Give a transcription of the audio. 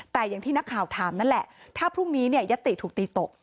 แต่อย่างที่นักข่าวถามนั่นแหละถ้าพรุ่งนี้เนี่ยยัตติถูกตีตก